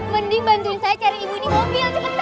mending bantuin saya cari ibu ini mobil cepetan